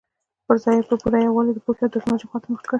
پر ځای یې په پوره یووالي د پوهې او ټکنالوژۍ خواته مخه کړې.